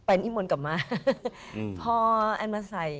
เป็นอิมนต์กลับมาพออันมาใส่